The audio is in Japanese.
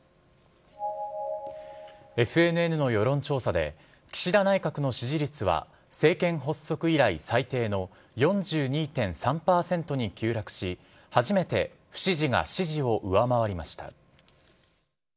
ＦＮＮの世論調査で、岸田内閣の支持率は政権発足以来最低の４２．３％に急落し、初めて不支持が支持を上回りました。